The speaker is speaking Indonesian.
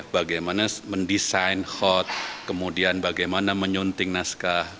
bagaimana mendesain hot kemudian bagaimana menyunting naskah